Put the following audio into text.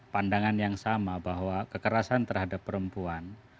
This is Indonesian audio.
pandangan yang sama bahwa kekerasan terhadap perempuan